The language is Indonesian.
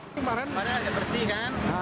pada agak bersih kan